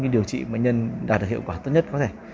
điều trị bệnh nhân đạt được hiệu quả tốt nhất